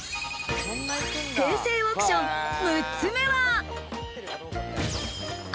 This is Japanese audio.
平成オークション６つ目は。